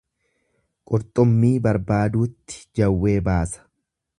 Qurxummii barbaaduutti jawwee baasa.